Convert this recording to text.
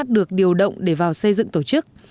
được điều động để vào xây dựng tổ chức